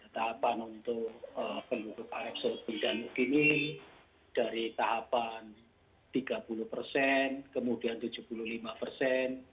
tahapan untuk penduduk arab saudi dan kini dari tahapan tiga puluh persen kemudian tujuh puluh lima persen